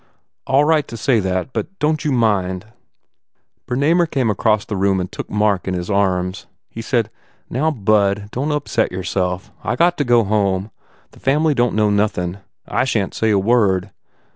"All right to say that but don t you mind." Bernamer came across the room and took Mark in his arms. He said, "Now, bud, don t upset yourself. I got to go home. The fam ly don t know nothin . I shan t say a word.